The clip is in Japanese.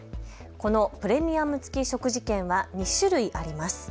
このプレミアム付き食事券は２種類あります。